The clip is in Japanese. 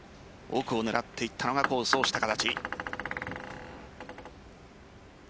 奥を狙っていったのが功を奏した形。